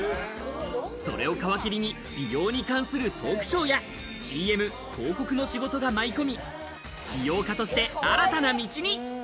それを皮切りに美容に関するトークショーやＣＭ、広告の仕事が舞い込み、美容家として新たな道に。